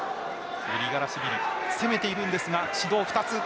グリガラシビリ攻めているんですが指導２つ。